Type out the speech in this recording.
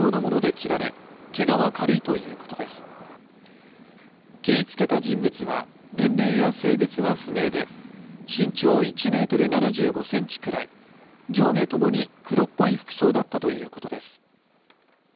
切りつけた人物は年齢や性別は不明で身長１メートル７５センチくらい、上下ともに黒っぽい服装だったということです。